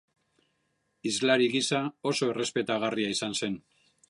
Hizlari gisa, oso errespetagarria izan zen.